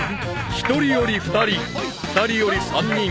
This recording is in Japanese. ［１人より２人２人より３人］